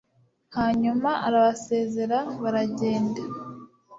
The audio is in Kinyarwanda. hanyuma arabasezerera baragenda